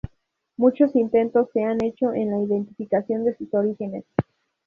Muchos intentos se han hecho en la identificación de sus orígenes.